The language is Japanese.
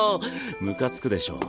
ムカつくでしょ？